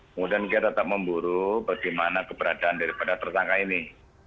kemudian kita tetap memburu bagaimana keberadaan daripada tersangka ini